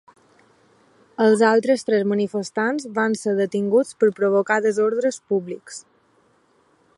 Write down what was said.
Els altres tres manifestants van ser detinguts per provocar desordres públics.